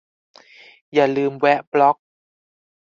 อย่าลืมแวะบล็อก